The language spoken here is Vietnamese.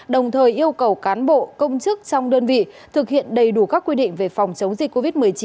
đồng thời yêu cầu cán bộ công chức trong đơn vị thực hiện đầy đủ các quy định về phòng chống dịch covid một mươi chín